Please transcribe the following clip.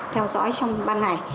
theo dõi trong ba ngày